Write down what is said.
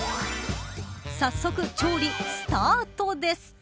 早速調理スタートです。